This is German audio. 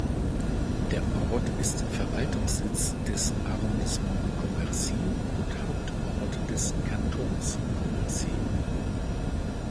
Der Ort ist Verwaltungssitz des Arrondissements Commercy und Hauptort des Kantons Commercy.